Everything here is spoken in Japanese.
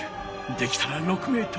できたら６ｍ。